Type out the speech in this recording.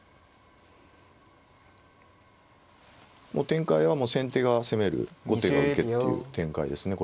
展開は先手が攻める後手が受けっていう展開ですね。